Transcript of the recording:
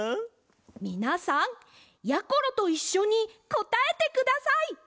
みなさんやころといっしょにこたえてください！